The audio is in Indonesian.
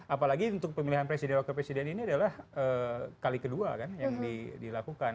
apalagi untuk pemilihan presiden wakil presiden ini adalah kali kedua kan yang dilakukan